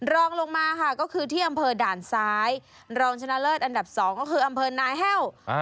รองลงมาค่ะก็คือที่อำเภอด่านซ้ายรองชนะเลิศอันดับ๒ก็คืออำเภอนายแห้ว